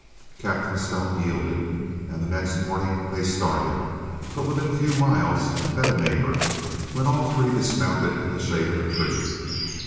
Captain Stone yielded, and the next morning they started, but within a few miles met a neighbor, when all three dismounted in the shade of a tree.